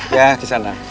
ya di sana